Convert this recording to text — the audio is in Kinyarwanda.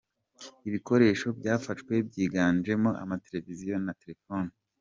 Ibikoresho byafashwe byiganjemo ama televiziyo, na telefoni.